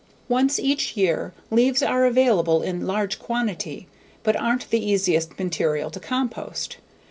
Once each year, leaves are available in large quantity, but aren't the easiest material to compost.